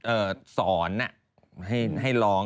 เอ่อสอนอะให้ร้อง